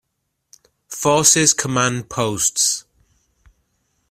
Forces command posts.